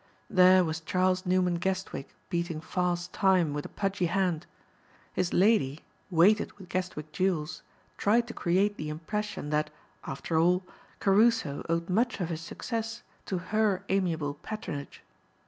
There was Charles Newman Guestwick beating false time with a pudgy hand. His lady, weighted with Guestwick jewels, tried to create the impression that, after all, Caruso owed much of his success to her amiable patronage.